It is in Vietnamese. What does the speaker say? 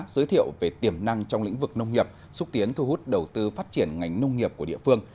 giới thiệu về tiềm năng trong lĩnh vực nông nghiệp xúc tiến thu hút đầu tư phát triển ngành nông nghiệp của địa phương